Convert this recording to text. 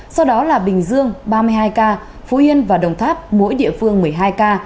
sau đó là bình dương ba mươi hai ca phú yên và đồng tháp mỗi địa phương một mươi hai ca